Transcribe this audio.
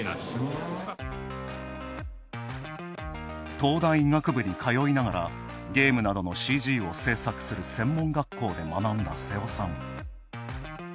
東大医学部に通いながら、ゲームなどのＣＧを制作する専門学校で学んだ瀬尾さん。